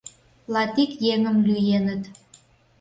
Латик еҥым лӱеныт...